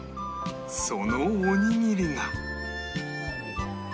そのおにぎりが